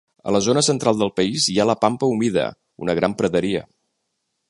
A la zona central del país hi ha la Pampa humida, una gran praderia.